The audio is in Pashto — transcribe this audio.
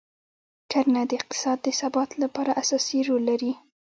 کرنه د اقتصاد د ثبات لپاره اساسي رول لري.